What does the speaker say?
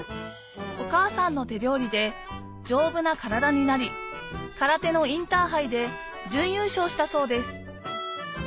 お母さんの手料理で丈夫な体になり空手のインターハイで準優勝したそうです